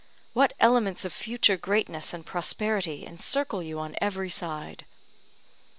What elements of future greatness and prosperity encircle you on every side!